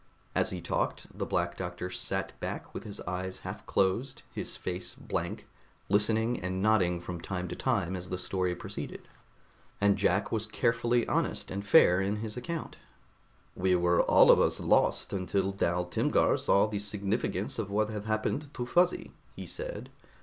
As he talked the Black Doctor sat back with his eyes half closed, his face blank, listening and nodding from time to time as the story proceeded. And Jack was carefully honest and fair in his account. "We were all of us lost, until Dal Timgar saw the significance of what had happened to Fuzzy," he said.